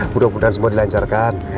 mudah mudahan semua dilancarkan